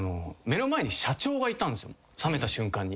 覚めた瞬間に。